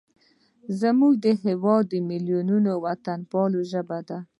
زموږ د هیواد میلیونونو وطنوالو ژبه ده.